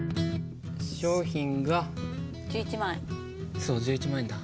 そう１１万円だ。